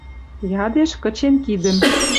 Ядеш, кычен кидӹм: